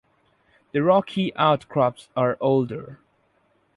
The rocky outcrops are older.